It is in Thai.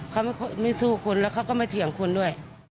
เขาไม่สู้คนแล้วเขาก็ไม่เถียงคนด้วย